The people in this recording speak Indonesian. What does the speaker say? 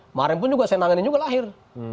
kemarin pun juga saya nangis juga lahir